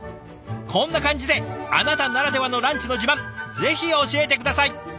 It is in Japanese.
こんな感じであなたならではのランチの自慢ぜひ教えて下さい。